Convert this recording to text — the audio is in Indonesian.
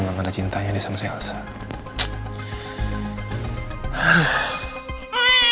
memang ada cintanya di sengselsa